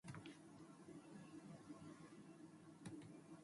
This poet figure recurs throughout the literature of the period, whether real or not.